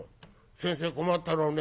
先生困ったろうね。